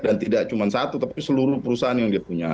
dan tidak cuma satu tapi seluruh perusahaan yang dia punya